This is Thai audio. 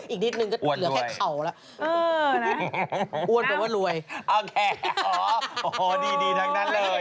อีกนิดนึงก็เหลือแค่เขาแล้วอ้วนเหมือนว่ารวย